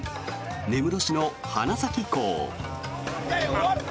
根室市の花咲港。